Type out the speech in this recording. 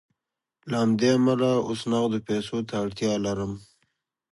له همدې امله اوس نغدو پیسو ته اړتیا لرم